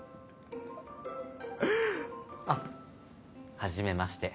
あっはじめまして。